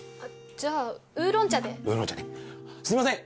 じゃあウーロン茶でウーロン茶ねすいません